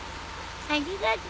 ありがとう。